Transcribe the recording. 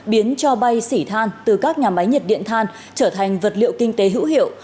biến cho bay xỉ than từ các nhà máy nhiệt điện than trở thành vật liệu kinh tế hữu hiệu